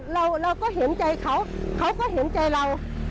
เราก็เห็นใจเขาเขาก็เห็นใจเรา